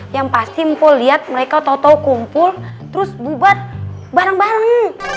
yang pasti mpo liat mereka tau tau kumpul terus bubat bareng bareng